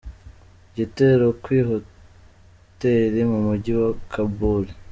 Igitero kw'ihoteri mu muji wa Kabul.